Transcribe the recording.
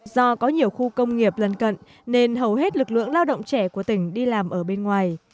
do có nhiều khu công nghiệp lần cận nên hầu hết lực lượng lao động trẻ của tỉnh đi làm ở bên ngoài